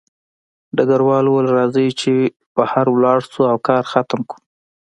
ډګروال وویل راځئ چې بهر لاړ شو او کار ختم کړو